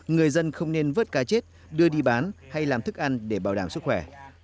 người dân không nên vớt cá chết đưa đi bán hay làm thức ăn để bảo đảm sức khỏe